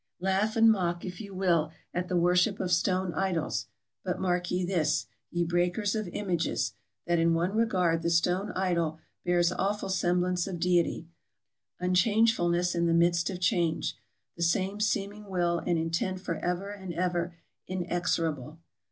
Laugh and mock if you will at the worship of stone idols ; but mark ye this, ye breakers of images, that in one regard the stone idol bears awful semblance of Deity — unchange fulness in the midst of change — the same seeming will and intent for ever and ever inexorable!